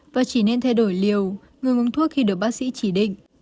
và chỉ nên thay đổi liều ngừng uống thuốc khi được bác sĩ chỉ định